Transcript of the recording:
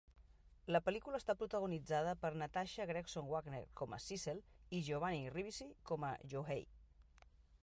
La pel·lícula està protagonitzada per Natasha Gregson Wagner com a Sissel i Giovanni Ribisi com a Joey.